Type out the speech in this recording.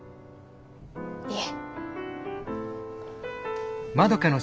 いえ。